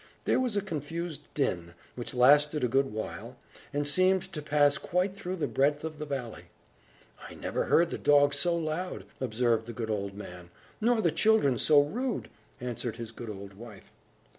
There was a confused din, which lasted a good while, and seemed to pass quite through the breadth of the valley. "I never heard the dogs so loud!" observed the good old man. "Nor the children so rude!" answered his good old wife.